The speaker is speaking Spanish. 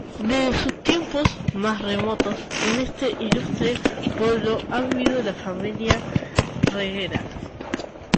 Desde sus tiempos más remotos, en este ilustre pueblo ha vivido la familia Reguera.